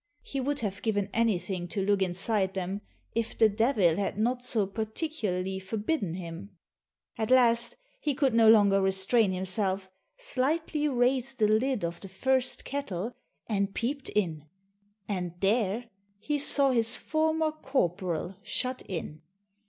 He would have given anything to look inside them, if the Devil had not so particularly forbidden him: at last, he could no longer restrain himself, slightly raised the lid of the first kettle, and peeped in, and there he saw his former corporal shut in.